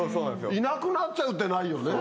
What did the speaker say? いなくなっちゃうってないよね。